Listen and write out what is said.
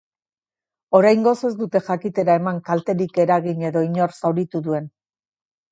Oraingoz ez dute jakitera eman kalterik eragin edo inor zauritu duen.